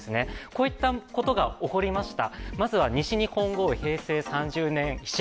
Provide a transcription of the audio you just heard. こういったことが起こりました。